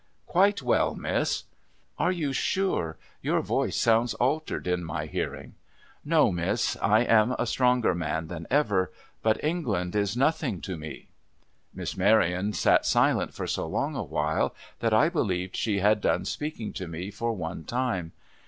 ' Quite well. Miss.' • Are you sure ? Your voice sounds altered in my hearing.' ' No, Miss, I am a stronger man than ever. But, England is nothing to me.' Miss Marion sat silent for so long a while, that I believed she had done speaking to me for one time.